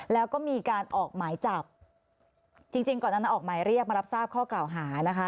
แล้วก็มีการออกหมายจับจริงจริงก่อนนั้นออกหมายเรียกมารับทราบข้อกล่าวหานะคะ